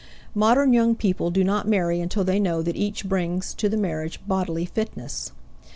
Modern young people do not marry until they know that each brings to the marriage bodily fitness.